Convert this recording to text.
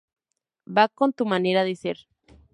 Va con tu manera de ser.